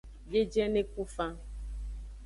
Biejene ku fan.